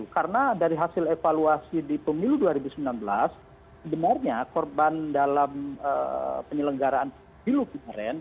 karena dari hasil evaluasi di pemilu dua ribu sembilan belas demornya korban dalam penyelenggaraan bilu kemarin